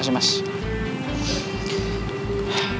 terima kasih mas